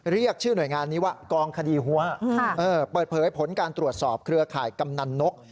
เรียกชื่อหน่วยงานนี้ว่ากองคดีหัวเปิดเผยผลการตรวจสอบเครือข่ายกำนันนก